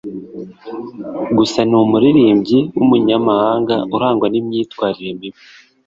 gusa ni n’umuririmbyi w’umunyamahanga urangwa n’imyitwarire mibi